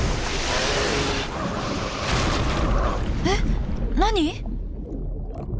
えっ！何！？